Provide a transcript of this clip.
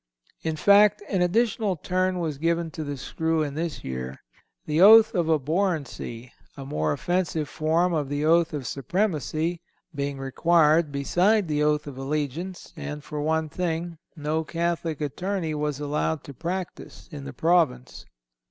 In fact, an additional turn was given to the screw in this year; the oath of "abhorrency," a more offensive form of the oath of supremacy, being required, beside the oath of allegiance, and for one thing, no Catholic attorney was allowed to practise in the Province.